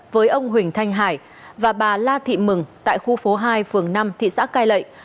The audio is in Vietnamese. với ông huỳnh thanh hải và bà la thị mừng tại khu phố hai phường năm thị xã cai lệ